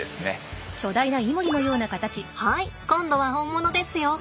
はい今度は本物ですよ。